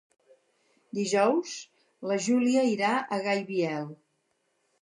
Dijous na Júlia irà a Gaibiel.